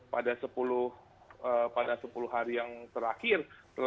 pada sepuluh hari yang terakhir